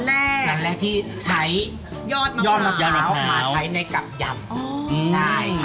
ร้านวรรดิที่ใช้ยอดมะพร้าวมาใจในกำยำ